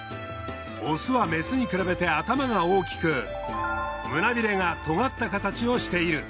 オスはメスに比べて頭が大きく胸ビレが尖った形をしている。